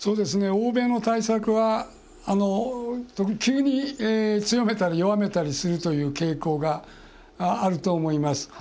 欧米の対策は急に強めたり弱めたりするという傾向があると思います。